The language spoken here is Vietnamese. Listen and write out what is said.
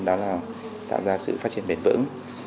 đó là tạo ra sự phát triển bền vững